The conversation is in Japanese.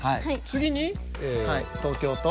次に東京と。